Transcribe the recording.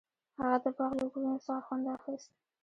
هغه د باغ له ګلونو څخه خوند اخیست.